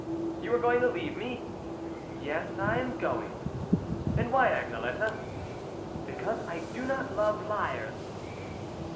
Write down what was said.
" You are going to leave me." " Yes, I am going." " And why, Agnelette." " Because I do not love liars."